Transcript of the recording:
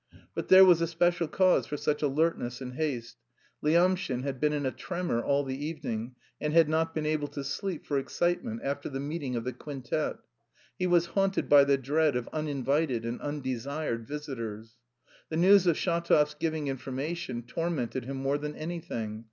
But there was a special cause for such alertness and haste: Lyamshin had been in a tremor all the evening, and had not been able to sleep for excitement after the meeting of the quintet; he was haunted by the dread of uninvited and undesired visitors. The news of Shatov's giving information tormented him more than anything....